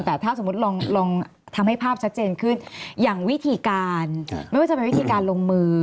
แต่ถ้าสมมุติลองทำให้ภาพชัดเจนขึ้นอย่างวิธีการไม่ว่าจะเป็นวิธีการลงมือ